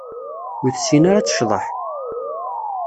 Ur tessin ara ad tecḍeḥ.